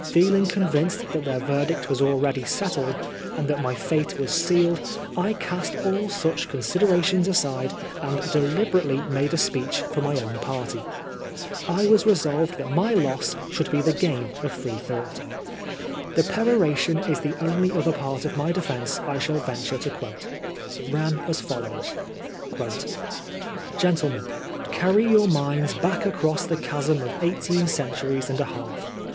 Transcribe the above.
Feeling convinced that their verdict was already settled, and that my fate was sealed, I cast all such considerations aside, and deliberately made a speech for my own party. I was resolved that my loss should be the gain of Free thonght. The peroration is the only other part of my defence I shall venture to quote. It ran as follows :_" Gentlemen, carry your minds back across the chasm of eighteen centimes and a half.